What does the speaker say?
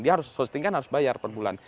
dia harus sosting kan harus bayar per bulan